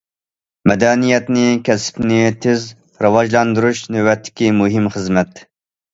مەدەنىيەت كەسپىنى تېز راۋاجلاندۇرۇش نۆۋەتتىكى مۇھىم خىزمەت.